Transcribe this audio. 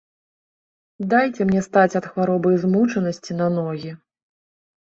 Дайце мне стаць ад хваробы і змучанасці на ногі.